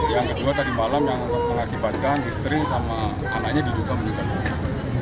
yang kedua tadi malam yang mengakibatkan istri sama anaknya diduga meninggal dunia